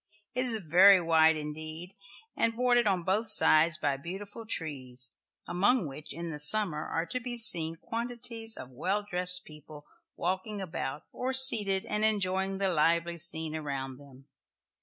It is very wide indeed, and bordered on both sides by beautiful trees, among which in the summer are to be seen quantities of well dressed people walking about or seated, and enjoying the lively scene around them.